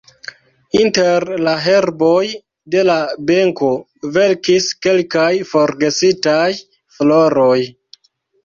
Inter la herboj de la benko velkis kelkaj forgesitaj floroj.